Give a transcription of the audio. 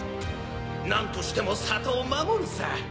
なんとしても里を守るさ。